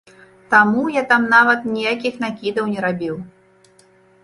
Таму я там нават ніякіх накідаў не рабіў.